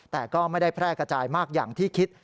แต่ก็ไม่ได้แพร่กระจายมากอย่างที่คิด